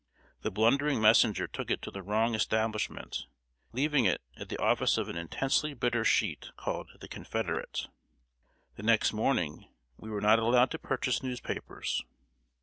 The blundering messenger took it to the wrong establishment, leaving it at the office of an intensely bitter sheet called The Confederate. The next morning we were not allowed to purchase newspapers.